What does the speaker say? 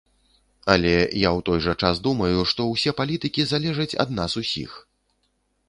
Але я ў той жа час думаю, што ўсе палітыкі залежаць ад нас усіх.